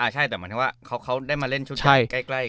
ใช่แต่เหมือนว่าเขาได้มาเล่นชุดใหญ่ใกล้กันครับ